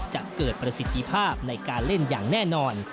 จะเกิดประสิทธิภาพในการเล่นอย่างแน่นอน